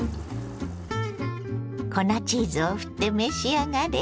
粉チーズをふって召し上がれ。